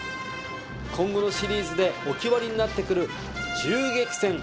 今後のシリーズでお決まりになってくる銃撃戦